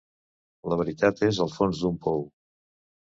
La veritat és al fons d'un pou.